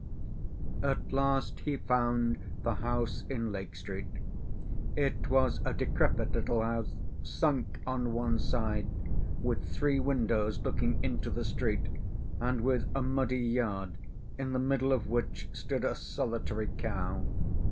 At last he found the house in Lake Street. It was a decrepit little house, sunk on one side, with three windows looking into the street, and with a muddy yard, in the middle of which stood a solitary cow.